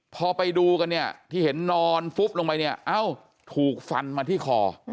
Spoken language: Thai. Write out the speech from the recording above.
พอไปดูกันเนี่ยที่เห็นนอนฟุบลงไปเนี่ยเอ้าถูกฟันมาที่คอ